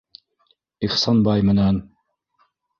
Ихсанбай менән...